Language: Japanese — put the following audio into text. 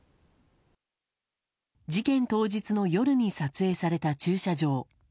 事件当日の夜に撮影された駐車場。